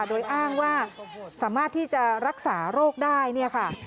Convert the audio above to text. โดยอ้างว่าสามารถที่จะรักษาโรคได้เนี่ยค่ะ